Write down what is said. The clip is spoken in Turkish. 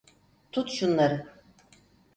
Tut şunları.